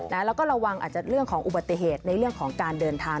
แล้วเราก็ระวังอาจจะงานจากอุบัติเหตุในเรื่องของการเดินทาง